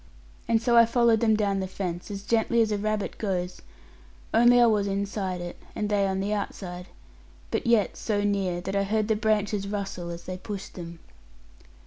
And so I followed them down the fence, as gently as a rabbit goes, only I was inside it, and they on the outside; but yet so near that I heard the branches rustle as they pushed them.